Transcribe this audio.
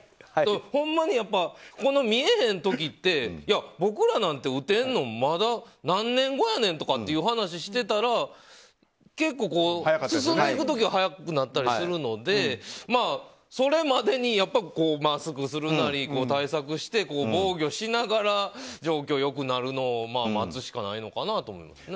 ほんまに、この見えへん時って僕らなんて、打てるの何年後やねん！っていう話してたら結構、進んでいく時は早くなったりするのでそれまでにマスクをするなり対策して防御しながら状況が良くなるのを待つしかないのかなと思いますね。